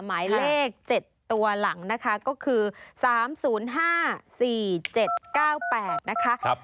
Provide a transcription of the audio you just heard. หมายเลข๗ตัวหลังนะคะก็คือ๓๐๕๔๗๙๘นะคะ